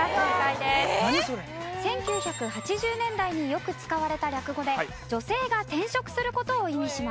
１９８０年代によく使われた略語で女性が転職する事を意味します。